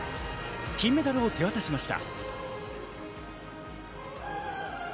金メダルを手渡しました。